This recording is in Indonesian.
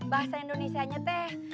bahasa indonesianya teh